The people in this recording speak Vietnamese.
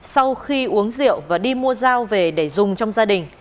sau khi uống rượu và đi mua rau về để dùng trong gia đình